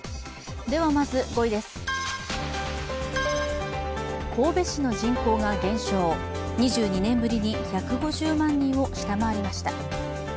まず５位です、神戸市の人口が減少、２５年ぶりに１５０万人を下回りました。